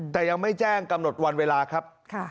แต่ยังไม่แจ้งกำหนดวันเวลาครับ